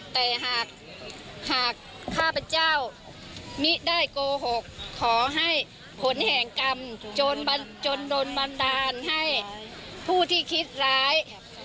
แต่หากข้าพเจ้ามิได้โกหกขอให้ผลแห่งกรรมจนโดนบันดาลให้ผู้ที่คิดร้าย